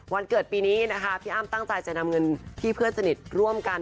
เกิดปีนี้นะคะพี่อ้ำตั้งใจจะนำเงินที่เพื่อนสนิทร่วมกัน